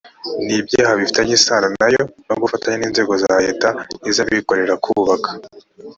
n ibyaha bifitanye isano na yo no gufatanya n inzego za leta n iz abikorera kubaka